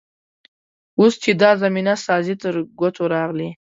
اوس چې دا زمینه سازي تر ګوتو راغلې.